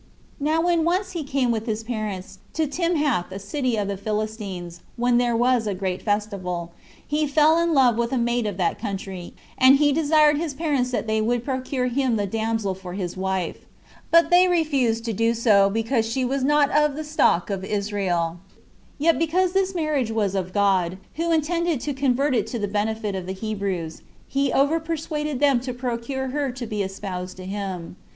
5. Now when he once came with his parents to Timhath, a city of the Philistines, when there was a great festival, he fell in love with a maid of that country, and he desired of his parents that they would procure him the damsel for his wife: but they refused so to do, because she was not of the stock of Israel; yet because this marriage was of God, who intended to convert it to the benefit of the Hebrews, he over persuaded them to procure her to be espoused to him.